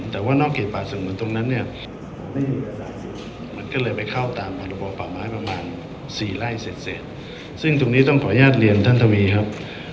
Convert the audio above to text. แต่ว่านอกเขตป่าส่งเหมือนตรงนั้นมันก็เลยไปเข้าตามประโยชน์ป่าไม้ประมาณ๔ไร่เสร็จซึ่งตรงนี้ต้องขออนุญาตเรียนท่านทวีครับ